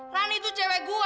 rani itu cewek gua